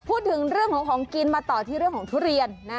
พูดถึงเรื่องของของกินมาต่อที่เรื่องของทุเรียนนะ